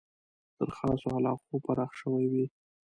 تر خاصو علاقو پراخ شوی وي.